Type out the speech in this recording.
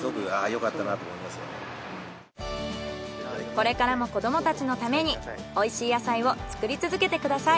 これからも子どもたちのためにおいしい野菜を作り続けてください。